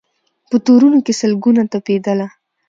په تورونو کي سل ګونه تپېدله